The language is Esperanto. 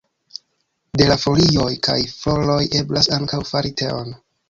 De la folioj kaj floroj eblas ankaŭ fari teon.